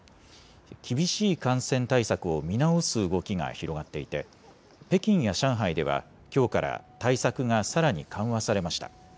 厳しい感染対策を見直す動きが広がっていて、北京や上海では、きょうから対策がさらに緩和されました。